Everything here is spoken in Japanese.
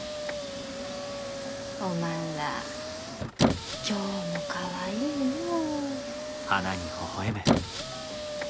おまんら今日もかわいいのう。